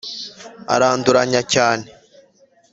Aranduranya cyane